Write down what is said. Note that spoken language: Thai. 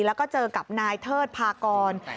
แล้วก็เจอกับนายเทิดพากร